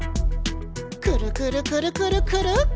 くるくるくるくるくる！